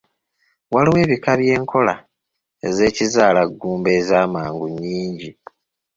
Waliwo ebika by'Enkola z'ekizaalaggumba ez'amangu nyingi.